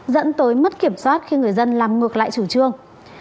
dẫn tới mất kiểm soát khi người dân làm ngược lại chủ trương